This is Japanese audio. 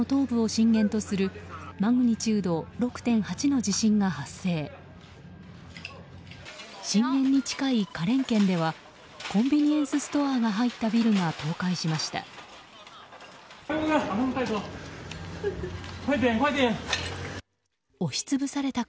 震源に近い花蓮県ではコンビニエンスストアが入ったビルが倒壊しました。